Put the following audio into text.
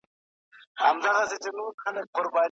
که کور کې پاتې نه شئ، نو د وېروس خپرېدو خطر زیاتېږي.